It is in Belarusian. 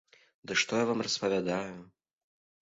Ды што я вам распавядаю?